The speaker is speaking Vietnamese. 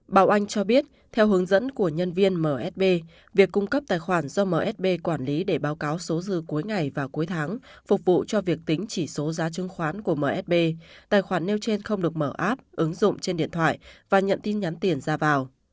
bảo anh cho biết theo hướng dẫn của nhân viên msb việc cung cấp tài khoản do msb quản lý để báo cáo số dư cuối ngày và cuối tháng phục vụ cho việc tính chỉ số giá chứng khoán của msb tài khoản nêu trên không được mở app ứng dụng trên điện thoại và nhận tin nhắn tiền ra vào